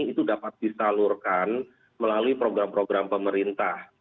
itu dapat disalurkan melalui program program pemerintah